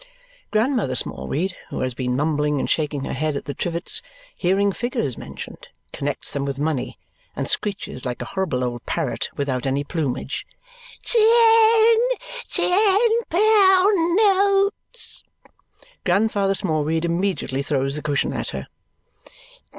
Grandmother Smallweed, who has been mumbling and shaking her head at the trivets, hearing figures mentioned, connects them with money and screeches like a horrible old parrot without any plumage, "Ten ten pound notes!" Grandfather Smallweed immediately throws the cushion at her.